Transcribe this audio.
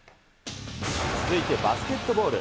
続いてバスケットボール。